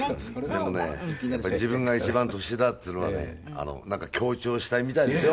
でもね自分が一番年下だっていうのはねなんか強調したいみたいですよ。